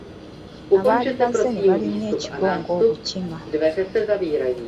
Abaali bazze ne balinnya ekigo ng'obukima.